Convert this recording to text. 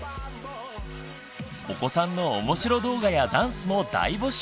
お子さんのおもしろ動画やダンスも大募集！